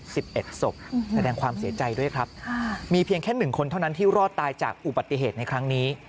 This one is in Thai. สิบเอ็ดศพแสดงความเสียใจด้วยครับค่ะมีเพียงแค่หนึ่งคนเท่านั้นที่รอดตายจากอุบัติเหตุในครั้งนี้